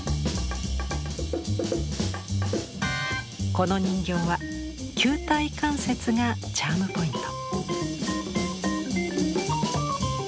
この人形は球体関節がチャームポイント。